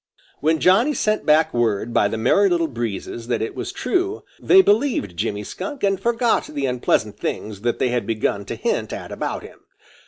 When Johnny sent back word by the Merry Little Breezes that it was true, they believed Jimmy Skunk and forgot the unpleasant things that they had begun to hint at about him.